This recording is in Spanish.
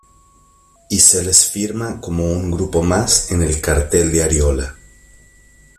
Y se les firma como un grupo más en el cartel de Ariola.